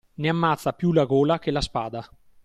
Ne ammazza più la gola che la spada.